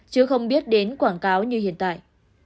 chứ không biết đến quảng cáo như hiện tại